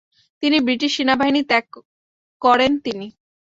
তিনি ব্রিটিশ সেনাবাহিনী ত্যাগ করেন তিনি।